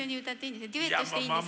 デュエットしていいですか？